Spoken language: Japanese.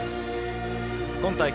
今大会